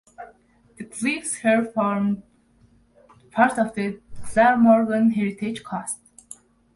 The cliffs here form part of the Glamorgan Heritage Coast.